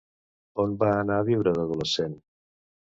On va anar a viure d'adolescent?